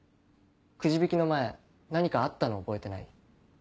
くじ引きの前何かあったの覚えてない？